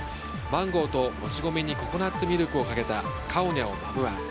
マンゴーともち米にココナツミルクをかけたカオニャオ・マムアン。